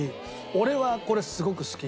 俺はこれすごく好き。